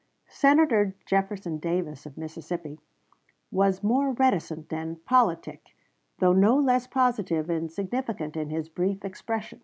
Senator Jefferson Davis, of Mississippi, was more reticent and politic, though no less positive and significant in his brief expressions.